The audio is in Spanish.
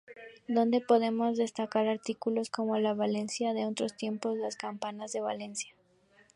Donde podemos destacar artículos como La Valencia de otros tiempos: las campanas de Valencia.